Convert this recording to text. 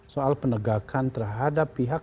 soal penegakan terhadap pihak